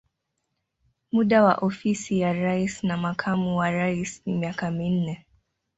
Muda wa ofisi ya rais na makamu wa rais ni miaka minne.